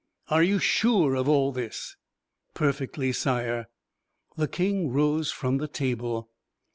"Are you sure of all this?" "Perfectly, Sire." The King rose from the table.